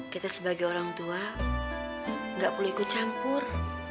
kita sebagai orang tua gak perlu ikut campur